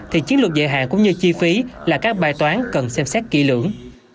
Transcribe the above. thì chiến lược dài hạn cũng như chi phí là các bài toán cần xem xét kỹ lưỡng